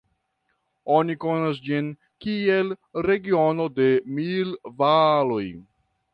Oni konas ĝin kiel regiono de mil valoj.